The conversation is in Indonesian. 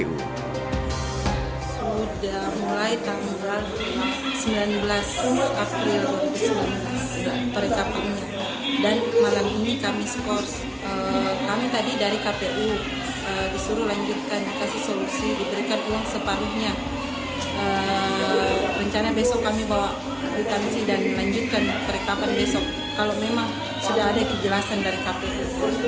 kalau memang sudah ada kejelasan dari kpu